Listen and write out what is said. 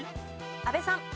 阿部さん。